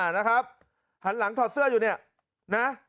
นะครับหันหลังถอดเสื้ออยู่เนี่ยนะ